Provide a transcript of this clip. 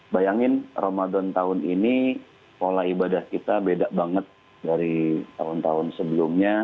bayangin ramadan tahun ini pola ibadah kita beda banget dari tahun tahun sebelumnya